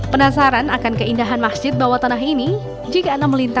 penasaran akan keindahan masjid bawah tanah ini